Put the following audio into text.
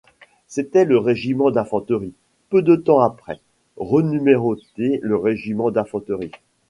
C'était le Régiment d'infanterie, peu de temps après, renuméroté le Régiment d'infanterie.